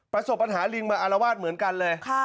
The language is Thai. ประสบปัญหาลิงมาอารวาสเหมือนกันเลย